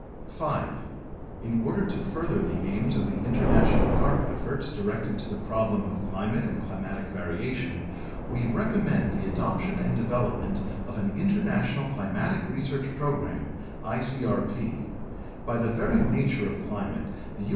5. In order to further the aims of the international garp efforts directed to the problem of climate and climatic variation, we recommend the adoption and development of an International Climatic Research 12 UNDERSTANDING CLIMATIC CHANGE Program (icrp). By the very nature of climate, the U.